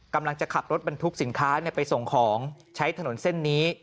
กำลังจะขับรถบรรทุกสินค้าไปส่งของใช้ถนนเส้นนี้